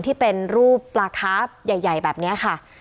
ที่เป็นรูปปลาคาฟใหญ่แบบนี้ค่ะ